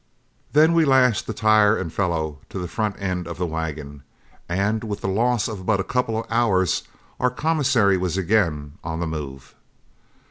Then we lashed the tire and felloe to the front end of the wagon, and with the loss of but a couple of hours our commissary was again on the move.